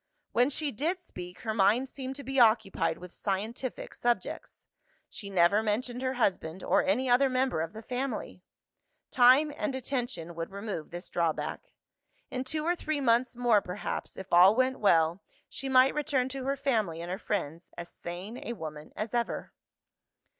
When she did speak, her mind seemed to be occupied with scientific subjects: she never mentioned her husband, or any other member of the family. Time and attention would remove this drawback. In two or three months more perhaps, if all went well, she might return to her family and her friends, as sane a woman as ever.